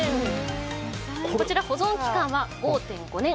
こちら、保存期間は５．５年。